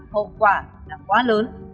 hậu quả là quá lớn